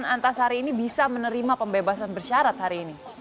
dan antasari ini bisa menerima pembebasan bersyarat hari ini